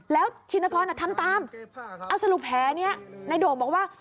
แล้วชินกรทำตามเอาสรุปแผลนี้ในโด่งบอกว่า